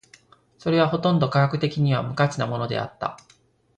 それはほとんど科学的には無価値なものであった。